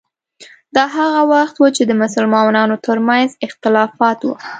دا هغه وخت و چې د مسلمانانو ترمنځ اختلافات وو.